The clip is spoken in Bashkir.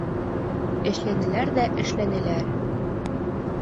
Эшләнеләр ҙә эшләнеләр.